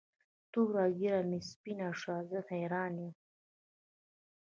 توره ږیره مې سپینه شوه زه حیران یم.